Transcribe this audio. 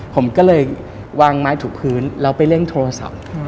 ผมก็เลยวางไม้ถูกพื้นแล้วไปเล่นโทรศัพท์